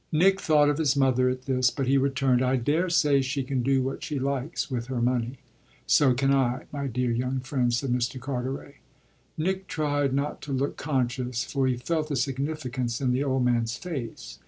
Nick thought of his mother at this, but he returned: "I daresay she can do what she likes with her money." "So can I, my dear young friend," said Mr. Carteret. Nick tried not to look conscious, for he felt a significance in the old man's face.